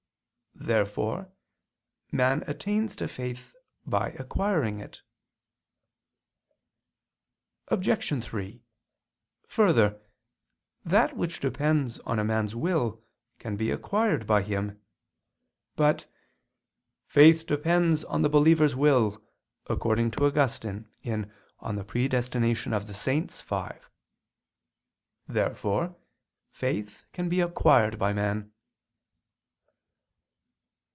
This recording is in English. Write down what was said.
Therefore man attains to faith by acquiring it. Obj. 3: Further, that which depends on a man's will can be acquired by him. But "faith depends on the believer's will," according to Augustine (De Praedest. Sanct. v). Therefore faith can be acquired by man.